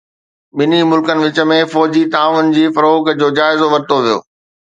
ٻنهي ملڪن وچ ۾ فوجي تعاون جي فروغ جو جائزو ورتو ويو